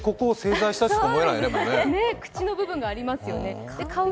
口の部分がありますよね。